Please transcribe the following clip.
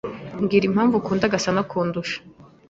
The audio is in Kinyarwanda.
Mbwira impamvu ukunda Gasanakundusha.